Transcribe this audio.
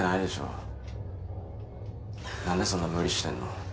なんでそんな無理してんの？